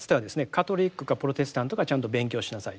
カトリックかプロテスタントかちゃんと勉強しなさいと。